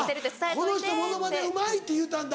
「この人モノマネうまい」って言うたんだ。